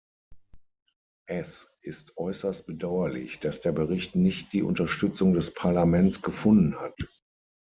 Es ist äußerst bedauerlich, dass der Bericht nicht die Unterstützung des Parlaments gefunden hat.